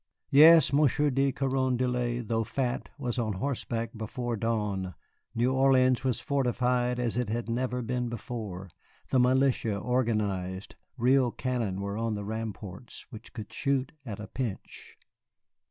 Yes, Monsieur de Carondelet, though fat, was on horseback before dawn, New Orleans was fortified as it never had been before, the militia organized, real cannon were on the ramparts which could shoot at a pinch.